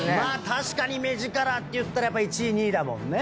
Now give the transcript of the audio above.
確かに目力っていったらやっぱ１位２位だもんね。